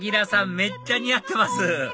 めっちゃ似合ってます！